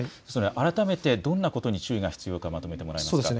改めてどんなことに注意が必要かまとめてもらえますか。